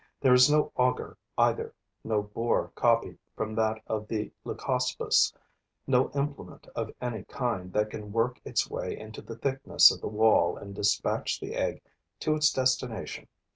There is no auger either, no bore copied from that of the Leucospis, no implement of any kind that can work its way into the thickness of the wall and dispatch the egg to its destination.